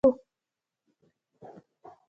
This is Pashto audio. لوی مالکین او پوهان په دولتي کارونو بوخت وو.